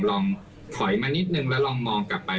ลองถอยมานิดนึงแล้วลองมองกลับไป